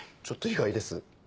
ちょっと意外です。